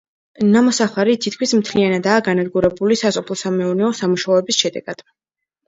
ნამოსახლარი თითქმის მთლიანადაა განადგურებული სასოფლო-სამეურნეო სამუშაოების შედეგად.